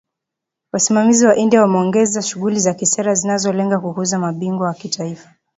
Wasimamizi wa India wameongeza shughuli za kisera zinazolenga kukuza ‘mabingwa wa kitaifa’.